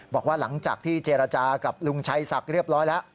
บอกว่าหลังจากที่เจรจากับลุงชัยศักดิ์เรียบร้อยแล้ว